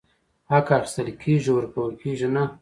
حق اخيستل کيږي، ورکول کيږي نه !!